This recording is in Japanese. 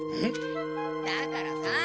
だからさあ。